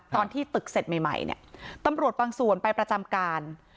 ตอนที่ตึกเสร็จใหม่เนี่ยตำรวจบางส่วนไปประจำการ